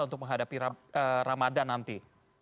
untuk menghadapi ramadhan nanti